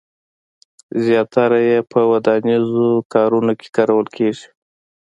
زیاتره یې په ودانیزو کارونو کې کارول کېږي.